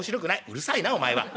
「うるさいなお前は。